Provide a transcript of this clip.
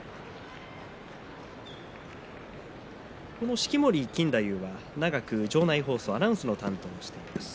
式守錦太夫は長く場内放送アナウンスの担当をしています。